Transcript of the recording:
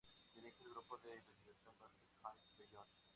Dirige el grupo de investigación "Basque and Beyond".